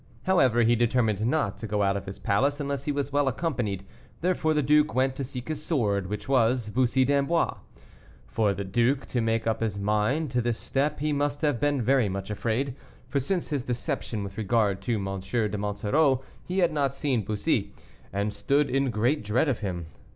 However, he determined not to go out of his palace unless he was well accompanied; therefore the duke went to seek his sword, which was Bussy d'Amboise. For the duke to make up his mind to this step he must have been very much afraid; for since his deception with regard to M. de Monsoreau he had not seen Bussy, and stood in great dread of him.